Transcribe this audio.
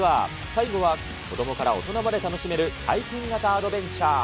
最後は子どもから大人まで楽しめる体験型アドベンチャー。